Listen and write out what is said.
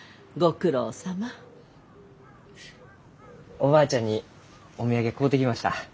おばあちゃんにお土産買うてきました。